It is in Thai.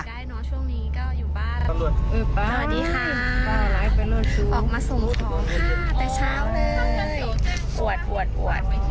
อ่าสวัสดีค่ะ